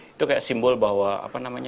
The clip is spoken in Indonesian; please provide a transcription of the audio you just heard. itu kayak simbol bahwa